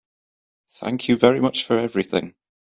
Thank you very much for everything.